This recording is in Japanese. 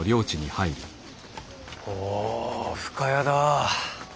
おぉ深谷だ。